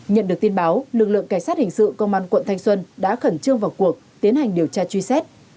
nhận được tin báo lực lượng cảnh sát hình sự công an quận thanh xuân đã khẩn trương vào cuộc tiến hành điều tra truy xét